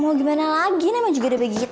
mau gimana lagi ini emang juga udah begitu